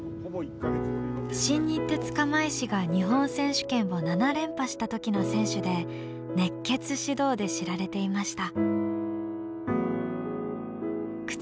新日鉄釜石が日本選手権を７連覇した時の選手で熱血指導で知られていました。